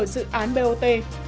các dự án bot